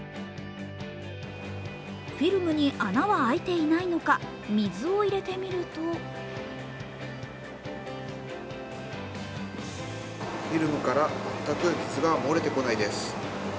フィルムに穴は開いていないのか水を入れてみるとフィルムから全く水が漏れてこないです。